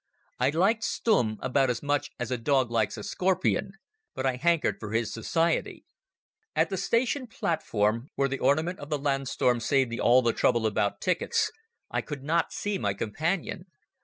I liked Stumm about as much as a dog likes a scorpion, but I hankered for his society. At the station platform, where the ornament of the Landsturm saved me all the trouble about tickets, I could not see my companion.